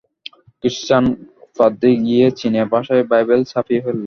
Christian পাদ্রী গিয়ে চীনে ভাষায় বাইবেল ছাপিয়ে ফেললে।